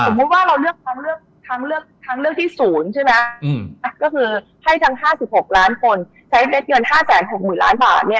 สมมุติว่าเราเลือกทั้งเลือกที่ศูนย์ใช่ไหมให้ทั้ง๕๖ล้านคนใช้เงิน๕๖๐ล้านบาทเนี่ย